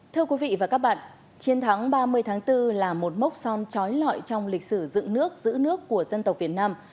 thưa quý vị và các bạn chiến thắng ba mươi tháng bốn là một mốc son trói lọi trong lịch sử dựng nước giữ nước của dân tộc việt nam